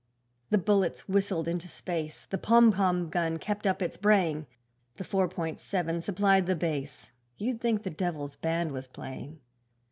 The bullets whistled into space, The pom pom gun kept up its braying, The four point seven supplied the bass You'd think the devil's band was playing.